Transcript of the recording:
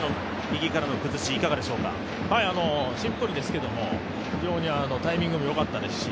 シンプルですけど、非常にタイミングも良かったですし。